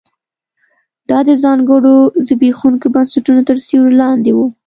دا د ځانګړو زبېښونکو بنسټونو تر سیوري لاندې و